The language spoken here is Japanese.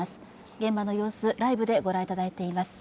現場の様子、ライブでご覧いただいています。